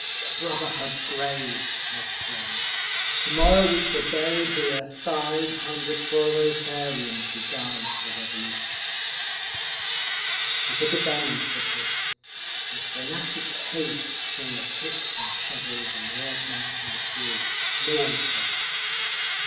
"The Brotherhood Grave," he explained. "To morrow we shall bury here five hundred proletarians who died for the Revolution." He took us down into the pit. In frantic haste swung the picks and shovels, and the earth—mountains grew. No one spoke.